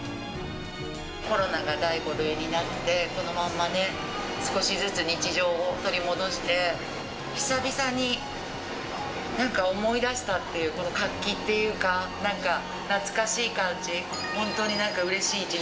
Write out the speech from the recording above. コロナが第５類になって、このまんまね、少しずつ日常を取り戻して、久々になんか思い出したっていう、この活気っていうか、なんか懐かしい感じ。